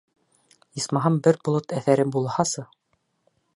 Исмаһам бер болот әҫәре булһасы.